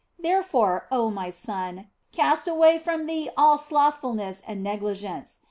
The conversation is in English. Therefore, oh my son, cast away from thee all slothfulness and negligence.